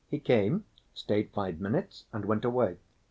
He came, stayed five minutes, and went away.